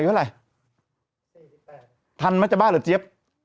๔๘ทันไหมจะบ้าหรือเจี๊ยบ